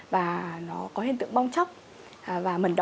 và nó có hiện tượng bong chóc và mẩn đỏ